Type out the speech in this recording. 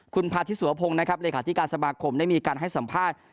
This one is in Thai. คุณพาธิสวพงศ์นะครับเลขาธิการสมาคมได้มีการให้สัมภาษณ์